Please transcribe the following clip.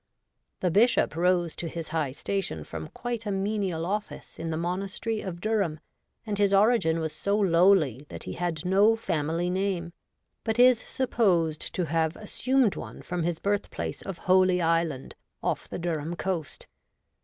The Bishop rose to his high station from quite a menial office in tha monastery of Durham, and his origin was so lowly that he had no family name, but is supposed to have 88 REVOLTED WOMAN. assumed one from his birthplace of Holy Island, off the Durham coast.